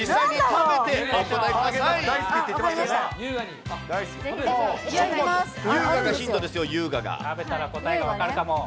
食べたら答えが分かるかも。